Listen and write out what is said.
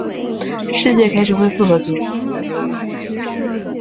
世界开始恢复和平。